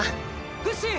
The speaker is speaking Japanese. フシ！